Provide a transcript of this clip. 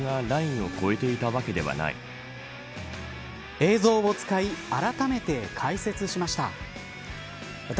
映像を使いあらためて解説しました。